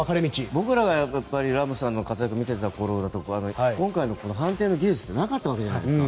僕らがラモスさんの活躍を見てたころは今回の判定の技術ってなかったわけじゃないですか。